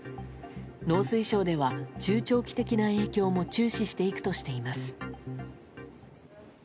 農水省では中長期的な影響も注視していくといいます。